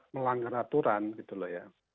melanggar aturan gitu loh ya